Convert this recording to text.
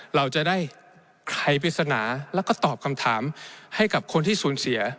เราจะได้ใครปริศนาแล้วก็ตอบคำถามให้กับคนที่สูญเสีย